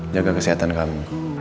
jaga kesehatan kamu